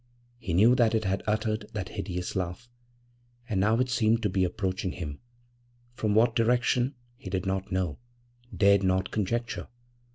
He knew that it had uttered that hideous laugh. And now it seemed to be approaching him; from what direction he did not know dared not conjecture.